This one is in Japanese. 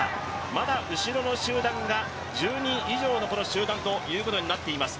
まだ、後ろの集団が１０人以上の集団となっています。